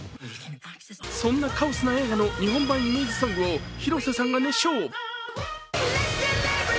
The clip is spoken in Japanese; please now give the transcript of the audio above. そんなカオスな映画の日本版イメージソングを広瀬さんが熱唱。